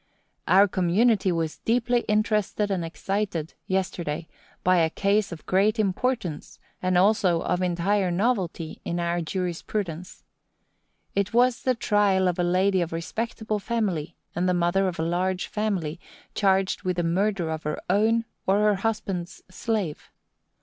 Our community was deeply interested and excited, yesterday, by a case of great importance, and also of entire novelty in our jurisprudence. It was the trial of a lady of respectable family, and the mother of a large family, charged with the murder of her own or her husband's slave.